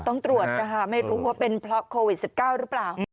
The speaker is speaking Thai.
ต้องตรวจนะคะไม่รู้ว่าเป็นเพราะโควิด๑๙หรือเปล่า